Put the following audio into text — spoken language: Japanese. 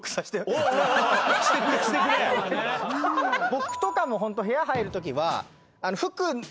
僕とかもホント部屋入るときは。